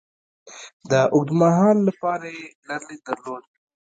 د اوږد مهال لپاره یې لرلید درلود.